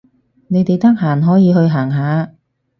你哋得閒可以去行下